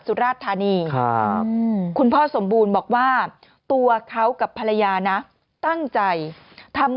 สุราชธานีครับคุณพ่อสมบูรณ์บอกว่าตัวเขากับภรรยานะตั้งใจทำ